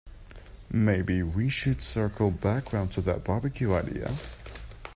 Maybe we should circle back round to that barbecue idea?